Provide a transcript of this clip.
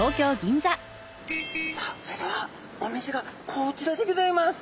さあそれではお店がこちらでギョざいます。